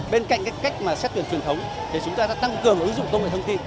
bên cạnh cách xét tuyển truyền thống thì chúng ta sẽ tăng cường ứng dụng công nghệ thông tin